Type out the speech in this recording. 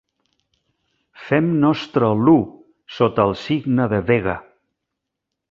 Fem nostre l'U sota el signe de Vega.